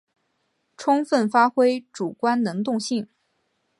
充分发挥主观能动性